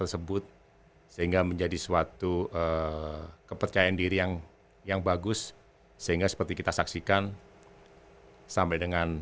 semua orang mempunyai kepentingan